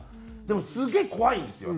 でもすげえ怖いんですよ